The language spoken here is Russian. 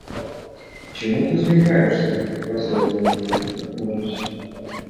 – Чему ты усмехаешься? – спросил он меня нахмурясь.